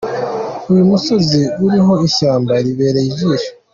Uyu musozi uriho ishyamba ribereye ijisho.